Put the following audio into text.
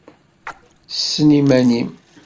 Ssen iman-im!